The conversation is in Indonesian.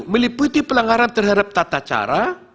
meliputi pelanggaran terhadap tata cara